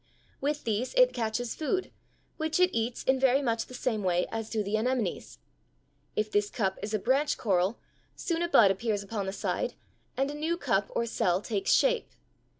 With these it catches food, which it eats in very much the same way as do the anemones. If this cup is a branch coral, soon a bud appears upon the side, and a new cup or cell takes shape.